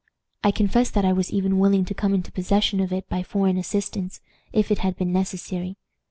I confess that I was even willing to come into possession of it by foreign assistance, if it had been necessary.